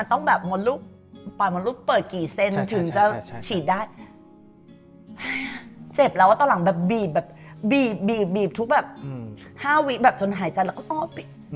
ทุก๕สัปดาห์จนหายจันทร์แล้วก็อ๋อปิด